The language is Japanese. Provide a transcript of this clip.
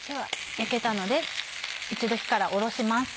焼けたので一度火から下ろします。